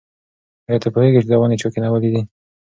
ایا ته پوهېږې چې دا ونې چا کینولي دي؟